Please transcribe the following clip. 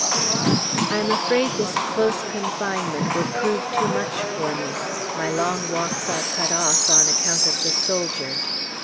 I am afraid this close confinement will prove too much for me; my long walks are cut off, on account of the soldiers.